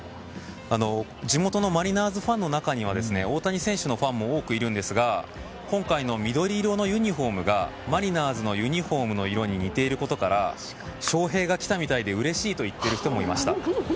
地元のマリナーズファンの中には大谷選手のファンも多くいるんですが今回の緑色のユニホームがマリナーズのユニホームに似ていることから翔平が来たみたいでうれしいと言っている人もいました。